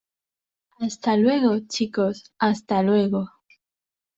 hasta luego, chicos. hasta luego .